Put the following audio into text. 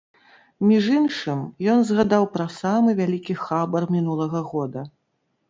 Між іншым, ён згадаў пра самы вялікі хабар мінулага года.